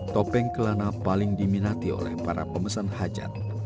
topeng kelana paling diminati oleh para pemesan hajat